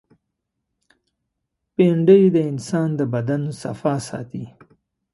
بېنډۍ د انسان د بدن صفا ساتي